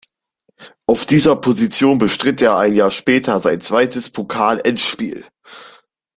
Auf dieser Position bestritt er ein Jahr später sein zweites Pokalendspiel.